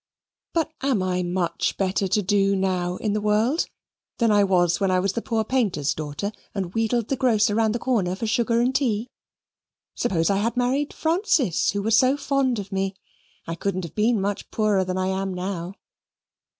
But am I much better to do now in the world than I was when I was the poor painter's daughter and wheedled the grocer round the corner for sugar and tea? Suppose I had married Francis who was so fond of me I couldn't have been much poorer than I am now.